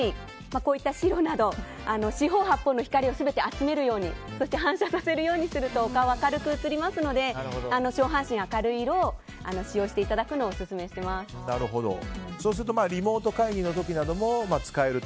こういった白など四方八方の光を全て集めるようにそして反射させるようにするとお顔、明るく写りますので上半身明るい色を使用していただくのをリモート会議の時なども使えると。